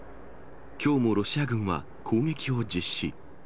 きょうもロシア軍は攻撃を実施。